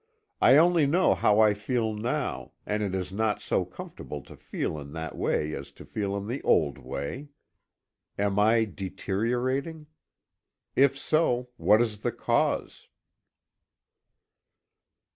I only know how I feel now, and it is not so comfortable to feel in that way as to feel in the old way. Am I deteriorating? If so, what is the cause?